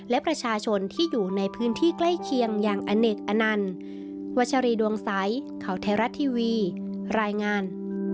และประชาชนที่อยู่ในพื้นที่ใกล้เคียงอย่างอเนกอนั่น